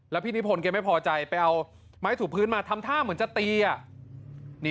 แล้วพี่นิพนธ์แกไม่พอใจไปเอาไม้ถูพื้นมาทำท่าเหมือนจะตี